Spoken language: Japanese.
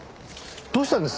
どうしたんです？